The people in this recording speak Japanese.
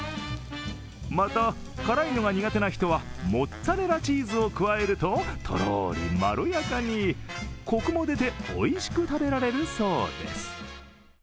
また、辛いのが苦手な人はモッツァレラチーズを加えるととろーり、まろやかに、コクも出ておいしく食べられるそうです。